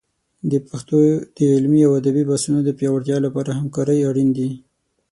د پښتو د علمي او ادبي بحثونو د پیاوړتیا لپاره همکارۍ اړین دي.